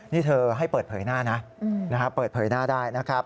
นี่เธอให้เปิดเผยหน้านะเปิดเผยหน้าได้นะครับ